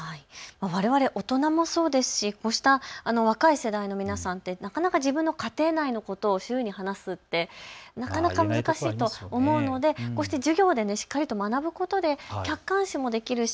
われわれ大人もそうですし、こうした若い世代の皆さんはなかなか自分の家庭のことを周囲に話すということはなかなか難しいと思うので、こうして授業でしっかりと学ぶことで客観視もできるし、